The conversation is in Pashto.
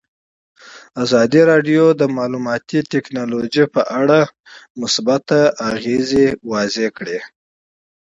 ازادي راډیو د اطلاعاتی تکنالوژي په اړه مثبت اغېزې تشریح کړي.